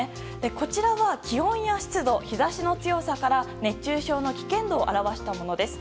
こちらは気温や湿度日差しの強さから熱中症の危険度を表したものです。